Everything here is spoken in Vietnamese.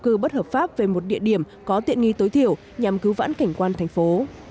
trung cư bất hợp pháp về một địa điểm có tiện nghi tối thiểu nhằm cứu vãn cảnh quan thành phố